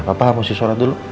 papa aku harus surat dulu